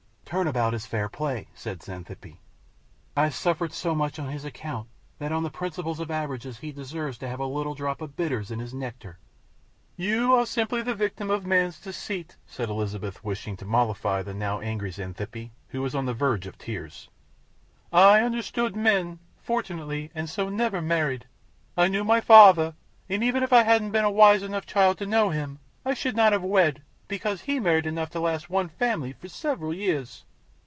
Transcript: "Turn about is fair play," said Xanthippe. "I've suffered so much on his account that on the principle of averages he deserves to have a little drop of bitters in his nectar." "You are simply the victim of man's deceit," said Elizabeth, wishing to mollify the now angry Xanthippe, who was on the verge of tears. "I understood men, fortunately, and so never married. I knew my father, and even if I hadn't been a wise enough child to know him, I should not have wed, because he married enough to last one family for several years."